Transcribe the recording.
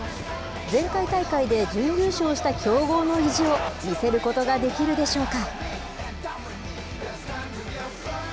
前回大会で準優勝した強豪の意地を見せることができるでしょうか。